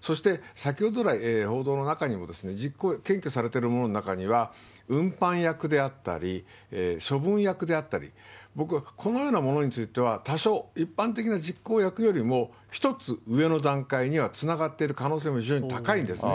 そして先ほど来、報道の中にも検挙されてる者の中には、運搬役であったり、処分役であったり、僕、このような者については、多少、一般的な実行役よりも、１つ上の段階にはつながってる可能性も非常に高いんですね。